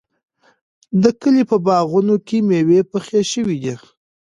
د کلي په باغونو کې مېوې پخې شوې دي.